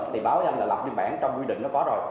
thì báo với anh là lập biên bản trong quy định đó có rồi